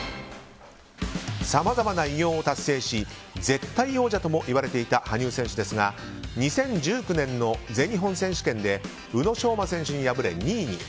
さまざまな偉業を達成し絶対王者ともいわれていた羽生選手ですが２０１９年の全日本選手権で宇野昌磨選手に敗れ２位に。